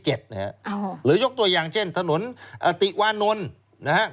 หรือยกตัวอย่างเช่นถนนติวานนท์นะครับ